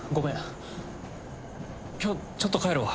今日ちょっと帰るわ。